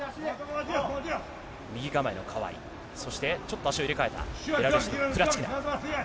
右構えの川井、そしてちょっと足を入れ替えた、ベラルーシのクラチキナ。